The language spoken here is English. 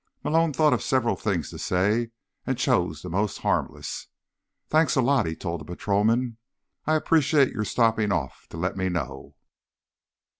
Malone thought of several things to say, and chose the most harmless. "Thanks a lot," he told the patrolman. "I appreciate your stopping off to let me know."